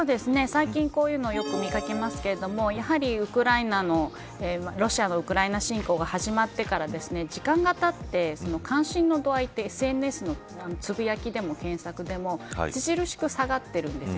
最近こういうのよく見掛けますけれどもやはりロシアのウクライナ侵攻が始まってから時間がたって関心の度合いってＳＮＳのつぶやきでも検索でも著しく下がってるんです。